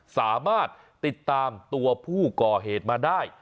สามารถติดตามตัวผู้ก่อเหตุมาได้